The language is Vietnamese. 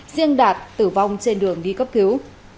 riêng đạt tử vong trên đường đi cấp cứu